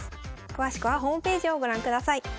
詳しくはホームページをご覧ください。